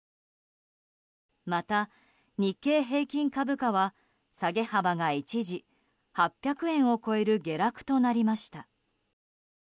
また、日経平均株価は下げ幅が一時８００円を超える下落となりました。